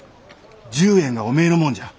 １０円がおめえのもんじゃ。